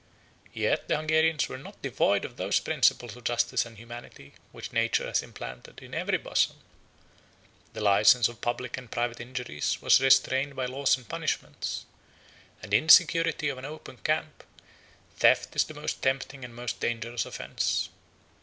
Yet the Hungarians were not devoid of those principles of justice and humanity, which nature has implanted in every bosom. The license of public and private injuries was restrained by laws and punishments; and in the security of an open camp, theft is the most tempting and most dangerous offence.